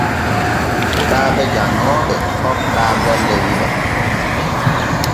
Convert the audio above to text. Sukaaɓe janŋooɓe hokkaa golle wuro.